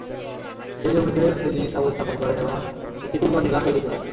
সেই জমিতে তিনি তাঁবু স্থাপন করেন এবং একটি কুরবানীগাহ্ তৈরি করেন।